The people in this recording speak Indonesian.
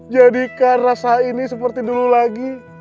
jadikan rasa ini seperti dulu lagi